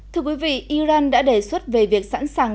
thưa quý vị iran đã đề xuất về việc sẵn sàng